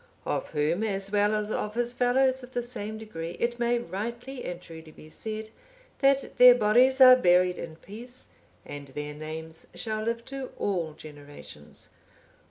Of whom, as well as of his fellows of the same degree, it may rightly and truly be said, that their bodies are buried in peace, and their names shall live to all generations.